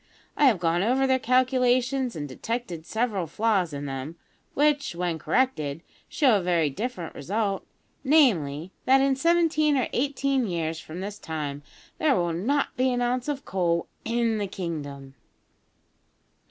I have gone over their calculations and detected several flaws in them, which, when corrected, show a very different result namely, that in seventeen or eighteen years from this time there will not be an ounce of coal in the kingdom!"